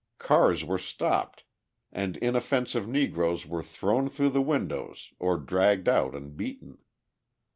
Cars were stopped and inoffensive Negroes were thrown through the windows or dragged out and beaten.